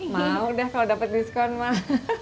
mau dah kalo dapet diskon mak